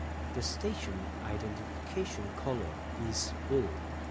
The station identification colour is blue.